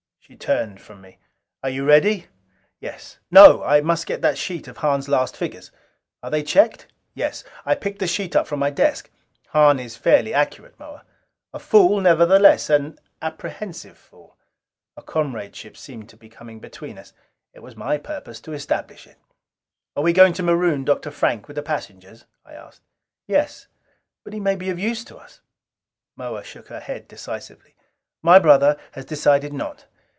She turned from me. "Are you ready?" "Yes. No! I must get that sheet of Hahn's last figures." "Are they checked?" "Yes." I picked the sheet up from my desk. "Hahn is fairly accurate, Moa." "A fool, nevertheless. An apprehensive fool." A comradeship seemed coming between us. It was my purpose to establish it. "Are we going to maroon Dr. Frank with the passengers?" I asked. "Yes." "But he may be of use to us." Moa shook her head decisively. "My brother has decided not.